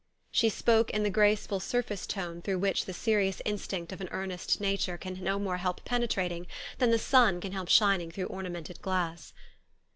She spoke in the graceful surface tone through which the serious instinct of an earnest nature can no more help penetrating than the sun can help shining through ornamented glass.